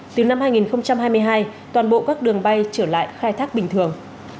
từ năm hai nghìn hai mươi hai toàn bộ các đường bay trở lại khai thác bình thường